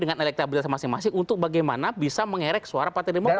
dengan elektabilitas masing masing untuk bagaimana bisa mengerek suara partai demokrat